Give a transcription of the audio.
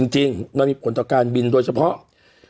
จริงมันมีผลต่อการบินโดยเฉพาะ